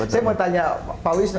saya mau tanya pak wisnu